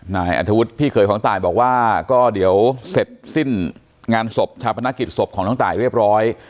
นายอันทวุฒิพี่เคยของตายบอกว่าก็เดี๋ยวเสร็จสิ้นงานศพชาวพนักกิจศพของน้องตายเรียบร้อย